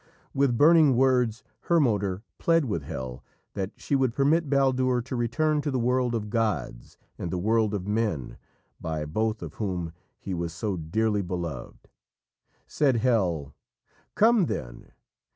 With burning words Hermoder pled with Hel that she would permit Baldur to return to the world of gods and the world of men, by both of whom he was so dearly beloved. Said Hel: "Come then!